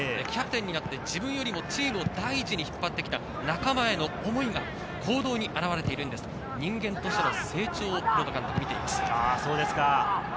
キャプテンになって、自分よりもチームを第一に引っ張ってきた仲間への思いが行動に現れているんですと、人間としての成長と監督は見ています。